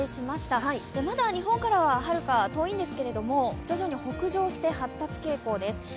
まだ日本からははるか遠いんですけれども、徐々に北上して発達傾向です。